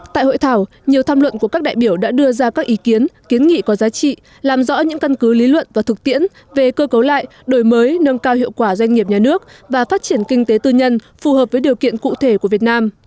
tại hội thảo nhiều tham luận của các đại biểu đã đưa ra các ý kiến kiến nghị có giá trị làm rõ những căn cứ lý luận và thực tiễn về cơ cấu lại đổi mới nâng cao hiệu quả doanh nghiệp nhà nước và phát triển kinh tế tư nhân phù hợp với điều kiện cụ thể của việt nam